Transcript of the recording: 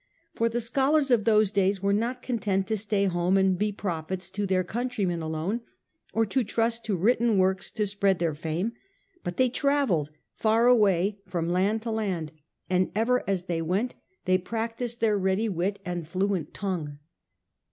For the scholars of those days were not content to stay at home and be prophets to their countrymen alone, or to trust to written works to spread tiieir fame ; but they travelled far away from land to land, and ever as they went they practised their ready CH. VIII. The Literary Ctm'ents of the Age. l6j ivit and fluent tongue.